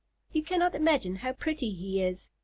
You cannot imagine how pretty he is.